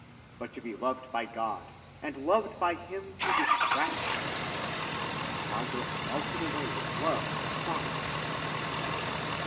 But to be loved by God! and loved by him to distraction [aimé jusqù'à la folie]!—Margaret melted away with love at the thought of such a thing.